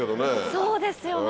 そうですよね。